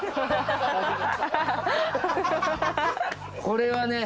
これはね。